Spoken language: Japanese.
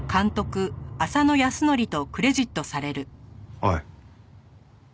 おい。